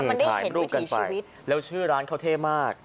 มันได้เห็นวิถีชีวิตแล้วชื่อร้านเขาเท่มาก